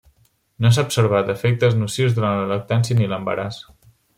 No s'ha observat efectes nocius durant la lactància ni l'embaràs.